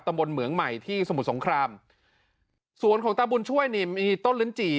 บนเหมืองใหม่ที่สมุทรสงครามสวนของตาบุญช่วยนี่มีต้นลิ้นจี่